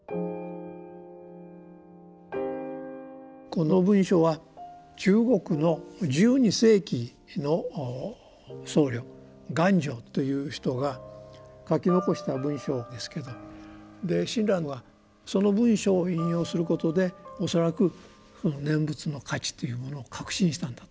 この文章は中国の１２世紀の僧侶元照という人が書き残した文章ですけど親鸞はその文章を引用することで恐らくその念仏の価値というものを確信したんだと思いますね。